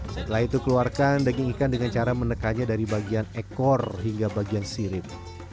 setelah itu keluarkan daging ikan dengan cara menekannya dari bagian ekor hingga bagian sirip